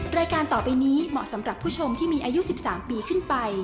รายการต่อไปนี้เหมาะสำหรับผู้ชมที่มีอายุ๑๓ปีขึ้นไป